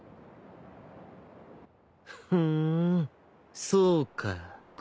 ふんそうか。